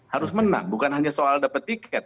harus menang bukan hanya soal dapat tiket